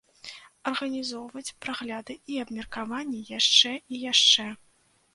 Арганізоўваць прагляды і абмеркаванні яшчэ і яшчэ.